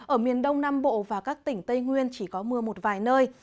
ở miền đông nam bộ và các tỉnh tây nguyên chỉ có mưa một vài nơi